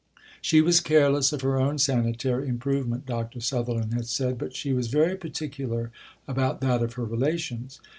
She was careless of her own sanitary improvement, Dr. Sutherland had said; but she was very particular about that of her relations.